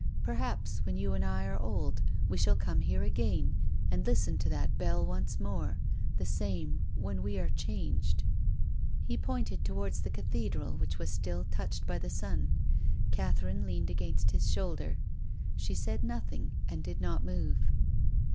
Perhaps, when you and I are old we shall come here again, and listen to that bell once more, the same, when wc are changed." He pointed towards the Cathedral which was still touched by the sun. Catherine leaned against his shoulder. She said nothing, and did not move.